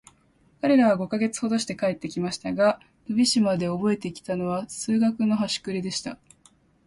彼等は五ヵ月ほどして帰って来ましたが、飛島でおぼえて来たのは、数学のはしくれでした。